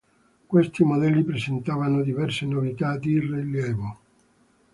Questi modelli presentavano diverse novità di rilievo.